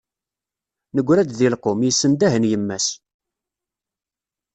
Negra-d di lqum, yessendahen yemma-s.